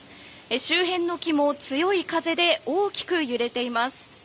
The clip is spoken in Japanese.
周辺の木も強い風で大きく揺れています。